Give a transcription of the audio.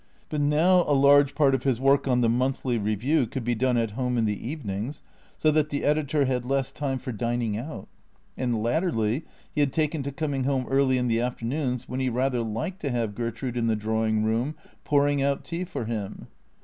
But now a large part of his work on the " Monthly Review " could be done at home in the evenings, so that the editor had less time for dining THECEEATORS 255 out. And latterly he had taken to coming home early in the afternoons, when he rather liked to have Gertrude in the draw ing room pouring out tea for him.